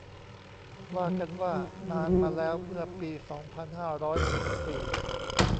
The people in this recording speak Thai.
ว่ากันว่า นานมาแล้ว เมื่อปี สองพันห้าร้อยสิบสี่